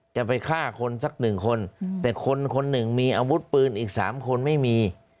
จะไปฆ่าคนสัก๑คนแต่คน๑มีอาวุธปืนอีก๓คนไม่มี